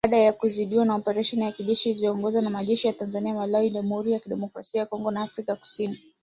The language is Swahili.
Baada ya kuzidiwa na oparesheni ya kijeshi yaliyoongozwa na wanajeshi wa Tanzania, Malawi, Jamhuri ya Kidemokrasia ya Kongo na Afrika kusini